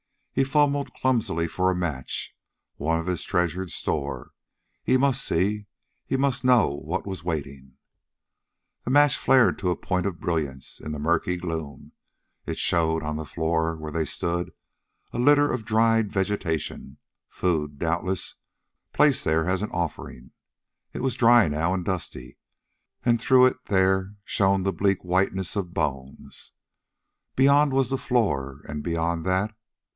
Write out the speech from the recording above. He fumbled clumsily for a match, one of his treasured store. He must see he must know what was waiting The match flared to a point of brilliance in the murky gloom. It showed, on the floor where they stood, a litter of dried vegetation food, doubtless placed there as an offering. It was dry now, and dusty, and through it there shone the bleak whiteness of bones. Beyond was the floor, and beyond that....